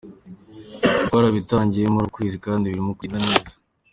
Ibi twarabitangiye muri uku kwezi kandi birimo kugenda neza.